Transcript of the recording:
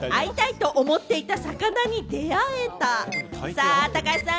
さあ、高橋さん。